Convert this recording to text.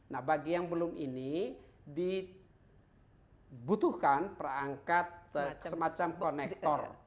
nah bagi yang belum ini dibutuhkan perangkat semacam konektor